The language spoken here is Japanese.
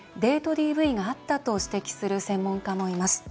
ＤＶがあったと指摘する専門家もいます。